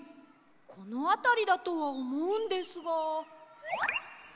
このあたりだとはおもうんですが。